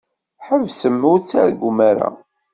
Ḥebsem ur ttargum ara.